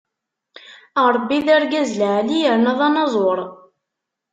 Ṛebbi d argaz lɛali yerna d anaẓur.